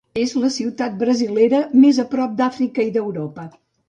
És la ciutat brasilera més a prop d'Àfrica i d'Europa.